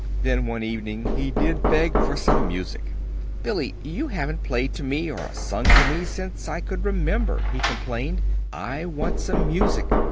Then, one evening, he did beg for some music. "Billy, you haven't played to me or sung to me since I could remember," he complained. "I want some music."